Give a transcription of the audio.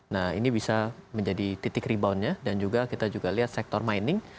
nah ini bisa menjadi titik reboundnya dan juga kita juga lihat sektor mining